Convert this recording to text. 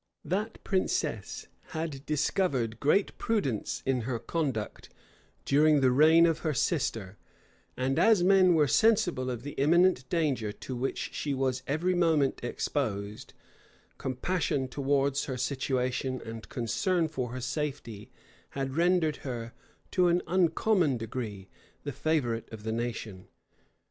That princess had discovered great prudence in her conduct during the reign of her sister; and as men were sensible of the imminent danger to which she was every moment exposed, compassion towards her situation, and concern for her safety, had rendered her, to an uncommon degree, the favorite of the nation.